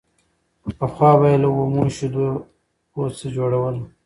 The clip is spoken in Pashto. پخوا به يې له اومو شيدو پوڅه جوړوله